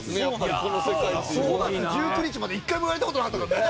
５月１９日まで１回も言われた事なかったからね。